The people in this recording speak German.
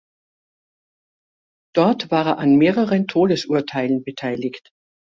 Dort war er an mehreren Todesurteilen beteiligt.